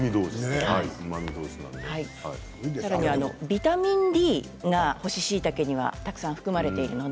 ビタミンＤが干ししいたけにはたくさん含まれています。